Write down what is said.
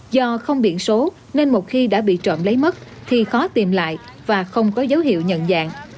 do không biển số nên một khi đã bị trộm lấy mất thì khó tìm lại và không có dấu hiệu nhận dạng